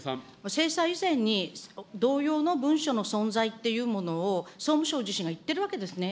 精査以前に、同様の文書の存在っていうものを、総務省自身が言っているわけですね。